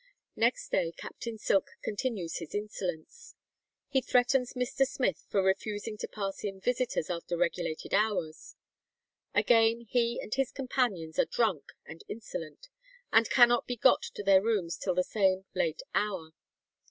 Next day Captain Silk continues his insolence. He threatens Mr. Smith for refusing to pass in visitors after regulated hours. Again he and his companions are drunk and insolent, and cannot be got to their rooms till the same late hour.